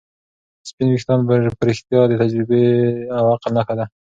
سپین ويښتان په رښتیا هم د تجربې او عقل نښه ده.